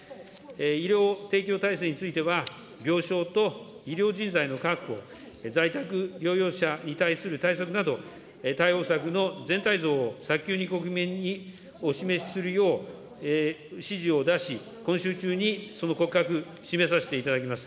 医療提供体制については、病床と医療人材の確保、在宅療養者に対する対策など、対応策の全体像を早急に国民にお示しするよう、指示を出し、今週中にその骨格、示させていただきます。